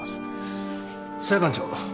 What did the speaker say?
裁判長。